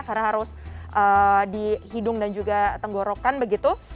karena harus dihidung dan juga tenggorokkan begitu